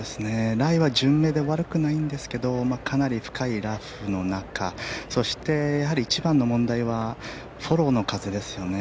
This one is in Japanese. ライは順目で悪くないんですけどかなり深いラフの中そして、やはり一番の問題はフォローの風ですよね。